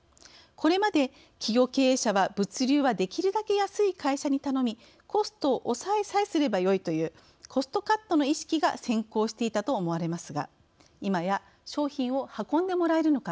これまで企業経営者は物流はできるだけ安い会社に頼みコストを抑えさえすればよいというコストカットの意識が先行していたと思われますが今や商品を運んでもらえるのか。